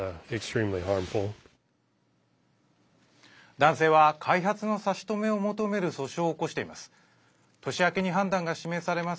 男性は開発の差し止めを求める訴訟を起こしています。